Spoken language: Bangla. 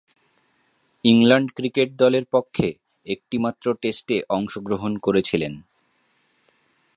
ইংল্যান্ড ক্রিকেট দলের পক্ষে একটিমাত্র টেস্টে অংশগ্রহণ করেছিলেন।